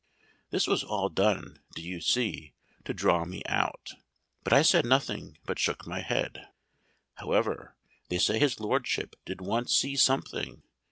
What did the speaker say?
This was all done, do you see, to draw me out; but I said nothing, but shook my head. However, they say his lordship did once see something.